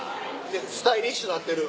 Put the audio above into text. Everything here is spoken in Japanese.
スタイリッシュなってる。